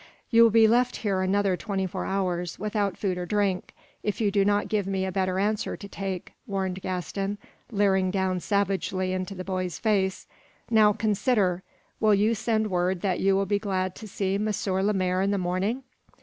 "You will be left here another twenty four hours, without food or drink, if you do not give me a better answer to take," warned Gaston, leering down savagely into the boy's face. "Now, consider! Will you send word that you will be glad to see M. Lemaire in the morning?"